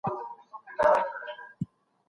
د زور او ايډيالوژۍ اړيکه له سياست سره روښانه ده.